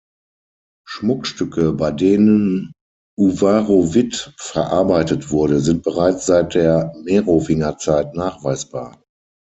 Schmuckstücke, bei denen Uwarowit verarbeitet wurde, sind bereits seit der Merowingerzeit nachweisbar.